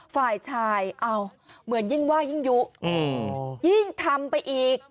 ฝ่ายชายเอาเหมือนยิ่งว่ายิ่งยุยิ่งทำไปอีก